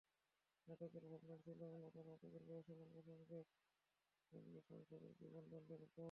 নাটকের ভাবনাটা ছিল মূলত মানুষের প্রফেশনাল প্যাশনের সঙ্গে সংসার জীবনের দ্বন্দ্বের ওপর।